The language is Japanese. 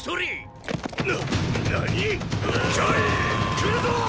来るぞォ！